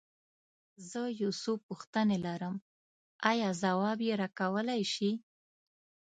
زه يو څو پوښتنې لرم، ايا ځواب يې راکولی شې؟